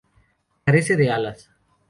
Carece de alas.